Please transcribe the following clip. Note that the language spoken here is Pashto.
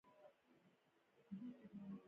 هغه باید با اخلاقه او قانون منونکی وي.